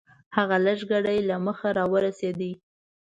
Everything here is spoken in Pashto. هغه لږ ګړی له مخه راورسېد .